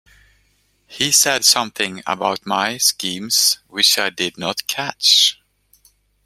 He said something about my schemes which I did not catch.